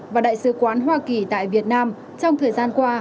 và đại sứ quán hoa kỳ tại việt nam trong thời gian qua